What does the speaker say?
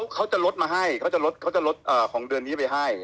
เขาจะลดมาให้เขาจะลดเขาจะลดของเดือนนี้ไปให้